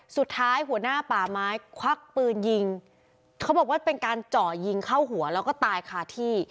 สุดท้ายหัวหน้าป่าไม้ควักปืนยิงเขาบอกว่าเป็นการเจาะยิงเข้าหัวแล้วก็ตายคาที่